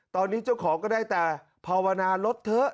ตอนนี้เจ้าของก็ได้แต่ภาวนาลดเถอะ